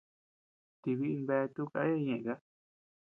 Tii biʼi bea tuʼu kaya ñeʼëta.